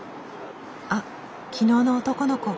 あっ昨日の男の子。